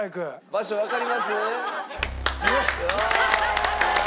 場所わかります？